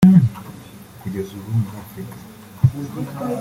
Kugeza ubu muri Afurika